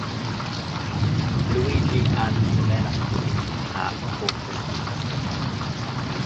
Luigi and Isabella Pacini had four children.